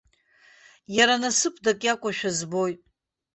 Иара насыԥдак иакәушәа збоит.